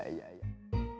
mari pak haji